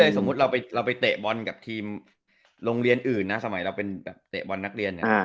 สมมติเราไปเตะบอลกับทีมโรงเรียนอื่นตอนเราเป็นเบอร์นักเรียน